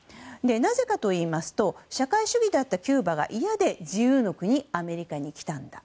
なぜかといいますと社会主義だったキューバが嫌で自由の国アメリカに来たんだ。